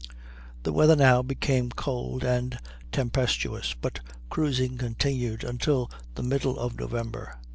The weather now became cold and tempestuous, but cruising continued till the middle of November.